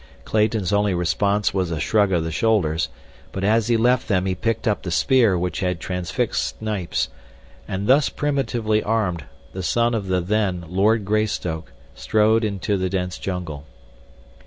Clayton's only response was a shrug of the shoulders, but as he left them he picked up the spear which had transfixed Snipes, and thus primitively armed, the son of the then Lord Greystoke strode into the dense jungle.